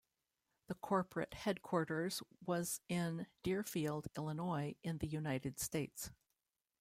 The corporate headquarters was in Deerfield, Illinois in the United States.